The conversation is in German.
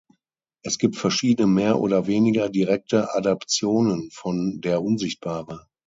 Es gibt verschiedene mehr oder weniger direkte Adaptionen von "Der Unsichtbare".